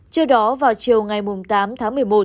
trước đó vào chiều ngày tám tháng một mươi một